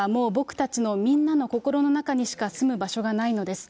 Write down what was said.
谷村はもう僕たちのみんなの心の中にしか住む場所がないのです。